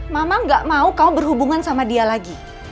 mama gak mau kamu berhubungan sama dia lagi